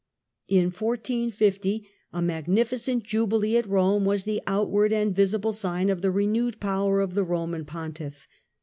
In 1450 a magnificent Jubilee at Rome was the out ward and visible sign of the renewed power of the Roman Pontiff.